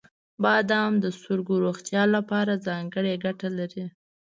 • بادام د سترګو روغتیا لپاره ځانګړې ګټه لري.